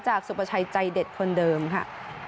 จากของสุขพระชัยใจเด็ดคนเดิมค่ะ